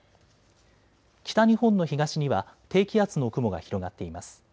北日本の東には低気圧の雲が広がっています。